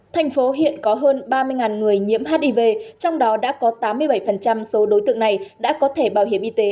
thành phố hiện có hơn ba mươi người nhiễm hiv trong đó đã có tám mươi bảy số đối tượng này đã có thẻ bảo hiểm y tế